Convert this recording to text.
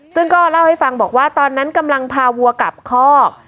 ซึ่งก็เล่าให้ฟังบอกว่าตอนนั้นกำลังพาวัวกลับคอก